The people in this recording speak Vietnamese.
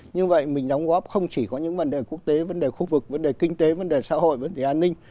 như vậy mình đóng góp không chỉ có những vấn đề quốc tế vấn đề khu vực vấn đề kinh tế vấn đề xã hội vấn đề an ninh